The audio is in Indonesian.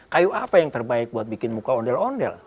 kayu apa yang terbaik buat bikin muka ondel ondel